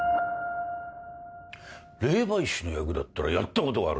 霊媒師の役だったらやったことがあるぞ。